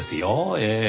ええ。